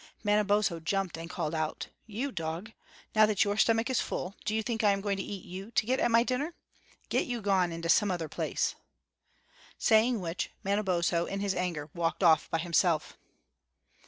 Manabozho jumped up and called out: "You dog, now that your stomach is full, do you think I am going to eat you to get at my dinner? Get you gone into some other place." Saying which, Manabozho, in his anger, walked off by himself.